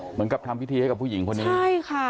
เหมือนกับทำพิธีให้กับผู้หญิงคนนี้ใช่ค่ะ